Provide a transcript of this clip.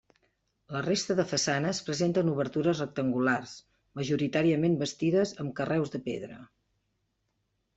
La resta de façanes presenten obertures rectangulars, majoritàriament bastides amb carreus de pedra.